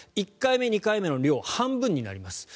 １回目、２回目の量の半分になります。